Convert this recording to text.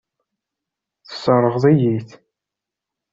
Tesseṛɣeḍ-iyi-tt.